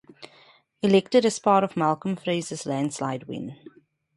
Elected as part of Malcolm Fraser's landslide win.